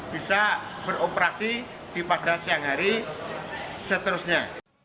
bisa beroperasi pada siang hari seterusnya